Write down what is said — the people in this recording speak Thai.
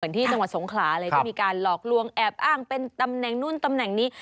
ที่จังหวัดสงขลาเลยก็มีการหลอกลวงแอบอ้างเป็นตำแหน่งนู่นตำแหน่งนี้